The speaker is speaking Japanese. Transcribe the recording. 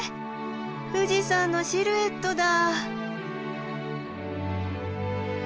富士山のシルエットだ！